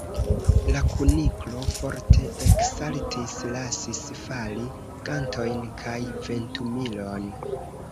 La Kuniklo forte eksaltis, lasis fali gantojn kaj ventumilon.